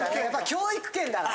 教育県だから。